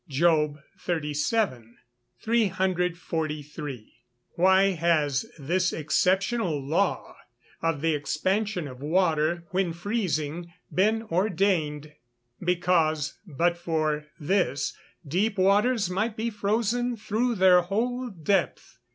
JOB XXXVII.] 343. Why has this exceptional law of the expansion of water, when freezing, been ordained? Because, but for this, deep waters might be frozen through their whole depth.